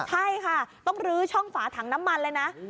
ใช่ค่ะต้องลื้อช่องฝาถังน้ำมันเลยนะ